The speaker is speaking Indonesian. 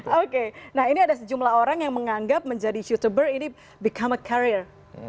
oke nah ini ada sejumlah orang yang menganggap menjadi youtuber ini become a carrier